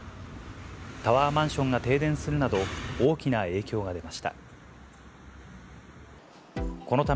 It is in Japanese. タワーマンションが停電するなど、大きな影響が出ました。